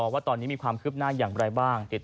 ว่าตอนนี้มีความคืบหน้าอย่างไรบ้าง